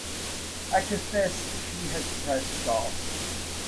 I confessed that she had surprised us all.